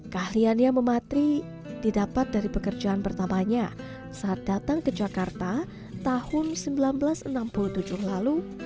keahliannya mematri didapat dari pekerjaan pertamanya saat datang ke jakarta tahun seribu sembilan ratus enam puluh tujuh lalu